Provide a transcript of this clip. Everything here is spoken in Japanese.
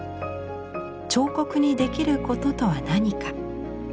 「彫刻にできることとは何か？」。